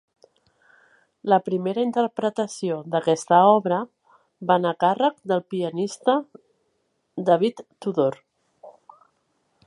La primera interpretació d'aquesta obra va anar a càrrec del pianista David Tudor.